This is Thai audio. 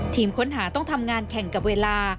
ทีมค้นหาต้องทำงานแข่งกับเวลา